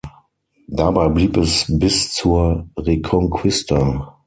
Dabei blieb es bis zur Reconquista.